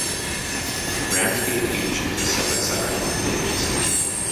Ramsgate Beach is a separate suburb, to the east.